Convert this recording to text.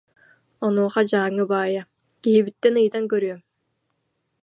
Онуоха Дьааҥы баайа: «Киһибиттэн ыйытан көрүөм»